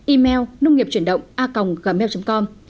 email nông nghiệpchuyển động a gmail com